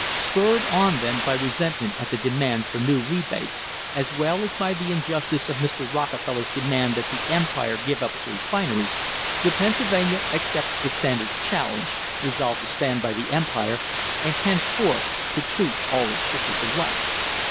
Spurred on then by resentment at the demands for new rebates, as well as by the injustice of Mr. Rockefeller's demand that the Empire give up its refineries, the Penn sylvania accepted the Standard's challenge, resolved to stand by the Empire, and henceforth to treat all its shippers alike.